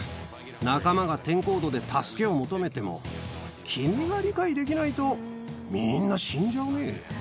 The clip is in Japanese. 仲間がテンコードで助けを求めても、君が理解できないと、みんな死んじゃうね。